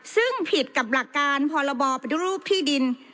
ซึ่งผิดกับหลักการพรบปฏิรูปที่ดิน